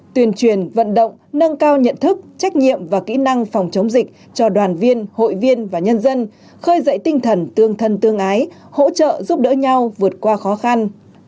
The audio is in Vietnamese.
tuyên truyền vận động nâng cao nhận thức trách nhiệm và kỹ năng phòng chống dịch cho đoàn viên hội viên và nhân dân khơi dậy tinh thần tương thân tương ái hỗ trợ giúp đỡ nhau vượt qua khó khăn